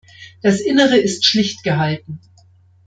Das Innere ist schlicht gehalten.